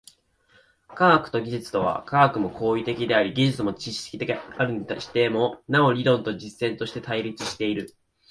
科学と技術とは、科学も行為的であり技術も知識的であるにしても、なお理論と実践として対立している。